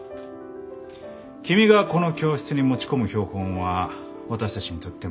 君がこの教室に持ち込む標本は私たちにとっても大いに値打ちがある。